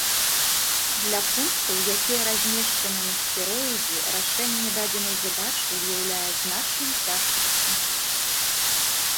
Для пунктаў, якія размешчаны на сфероідзе, рашэнне дадзенай задачы ўяўляе значныя цяжкасці.